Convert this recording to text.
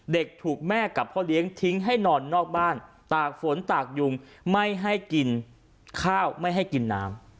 เด็กถูกแม่กับพ่อเลี้ยงทิ้งให้นอนนอกบ้านตากฝนตากยุงไม่ให้กินข้าวไม่ให้กินน้ำ